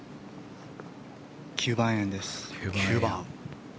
９番アイアンです。